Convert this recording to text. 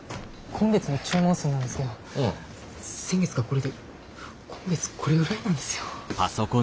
今月の注文数なんですけど先月がこれで今月これぐらいなんですよ。